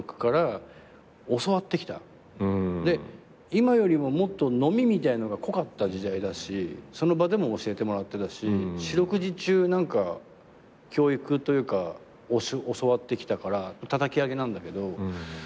今よりももっと飲みみたいなのが濃かった時代だしその場でも教えてもらってたし四六時中教育というか教わってきたからたたき上げなんだけど。